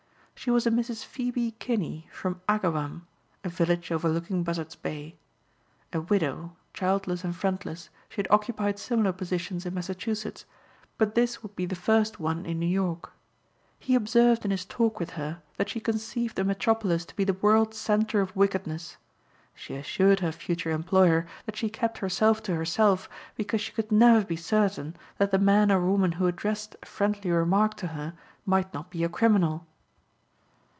She was a Mrs. Phoebe Kinney from Agawam, a village overlooking Buzzard's Bay. A widow, childless and friendless, she had occupied similar positions in Massachusetts but this would be the first one in New York. He observed in his talk with her that she conceived the metropolis to be the world center of wickedness. She assured her future employer that she kept herself to herself because she could never be certain that the man or woman who addressed a friendly remark to her might not be a criminal.